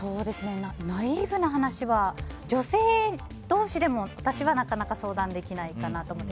ナイーブな話は女性同士でも私はなかなか相談できないかなと思って。